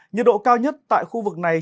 nhiệt độ cao nhất tại khu vực này